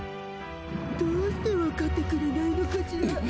どうして分かってくれないのかしら。